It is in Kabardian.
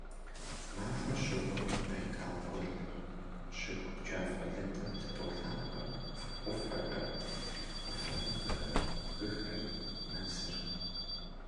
Махуэр щыуэмым Байкал гуэл щыгу джафэ лыдым тыболъагъуэ Ӏуфэхэр, Ӏуфэ мывэхэр, бгыхэр, мэзыр.